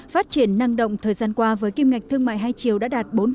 phát triển năng động thời gian qua với kim ngạch thương mại hai chiều đã đạt bốn